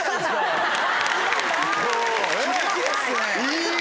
いい！